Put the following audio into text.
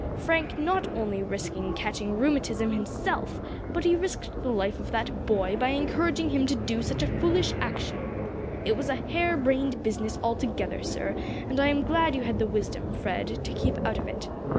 Frank not only risking catching rheumatism himself, but he risked the life of that boy by encouraging him to do such a foolish action. It was a hair brained business altogether, sir; and I am glad you had the wisdom, Fred, to keep out of it.